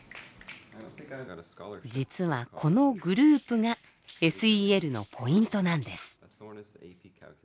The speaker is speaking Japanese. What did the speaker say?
実はこのグループがＳＥＬのポイントなんです。